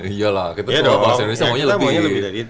iya lah kita sebagai bangsa indonesia maunya lebih